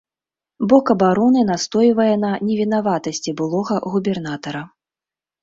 Бок абароны настойвае на невінаватасці былога губернатара.